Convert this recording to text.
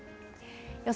予想